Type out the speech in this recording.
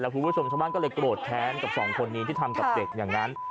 คุณผู้ชมชาวบ้านก็เลยโกรธแค้นกับสองคนนี้ที่ทำกับเด็กอย่างนั้น